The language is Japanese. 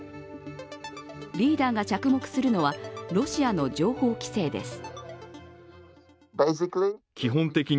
リーダーが着目するのはロシアの情報規制です。